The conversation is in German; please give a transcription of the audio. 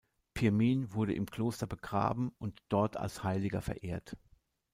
Pirmin wurde im Kloster begraben und dort als Heiliger verehrt.